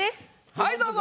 はいどうぞ。